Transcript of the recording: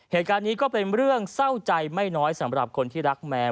เหตุการณ์นี้ก็เป็นเรื่องเศร้าใจไม่น้อยสำหรับคนที่รักแมว